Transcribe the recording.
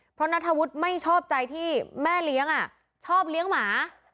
เพราะนัทธวุฒิไม่ชอบใจที่แม่เลี้ยงชอบเลี้ยงหมา